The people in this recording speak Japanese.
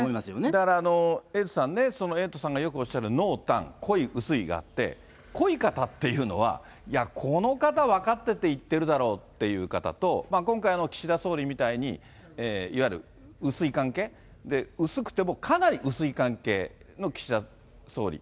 だからエイトさんね、エイトさんがよくおっしゃる濃淡、濃い、薄いがあって、濃い方っていうのは、この方、分かってて言ってるだろうっていう方と、今回、岸田総理みたいに、いわゆる薄い関係、薄くてもかなり薄い関係の岸田総理。